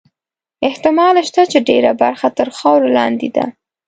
احتمال شته چې ډېره برخه تر خاورو لاندې ده.